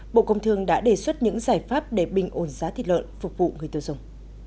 bộ công thương đã đề xuất những giải pháp để bình ổn giá thịt lợn phục vụ người tiêu dùng